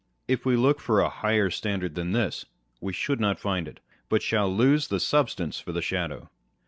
If we look for a higher standard than this, we shall not find it ; but shall lose the substance for the shadow